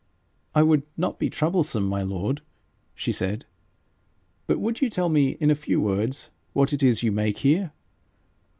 'I would not be troublesome, my lord,' she said; 'but would you tell me in a few words what it is you make here?'